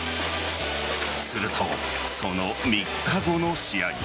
すると、その３日後の試合。